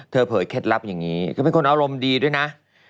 เผยเคล็ดลับอย่างนี้ก็เป็นคนอารมณ์ดีด้วยนะ